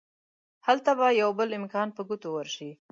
هلته به يو بل امکان په ګوتو ورشي.